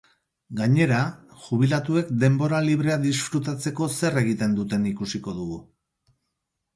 Gainera, jubilatuek denbora librea disfrutatzeko zer egiten duten ikusiko dugu.